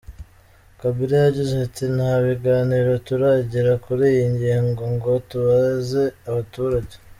Kabila yagize ati “Nta biganiro turagira kuri iyi ngingo ngo tubaze abaturage.